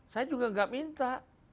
saya juga enggak minta